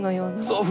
そう。